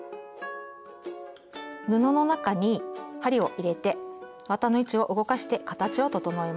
布の中に針を入れて綿の位置を動かして形を整えます。